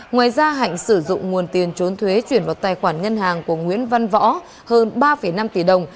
ngoài ra hạnh sử dụng nguồn tiền trốn thuế chuyển vào tài khoản ngân hàng của nguyễn văn võ hơn ba năm tỷ đồng